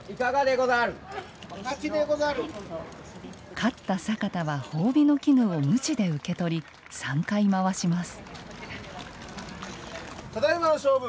勝った左方は褒美の絹をむちで受け取り３回、回します。